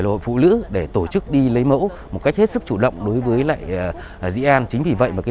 hội phụ nữ để tổ chức đi lấy mẫu một cách hết sức chủ động đối với lại dĩ an chính vì vậy mà cái